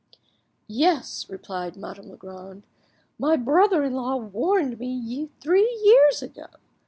"Yes," replied Madame Legrand, "my brother in law warned me three years ago.